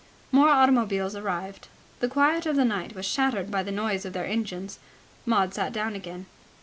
More automobiles arrived. The quiet of the night was shattered by the noise of their engines. Maud sat down again.